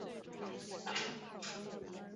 黑板是涂上黑色颜料的石板瓦。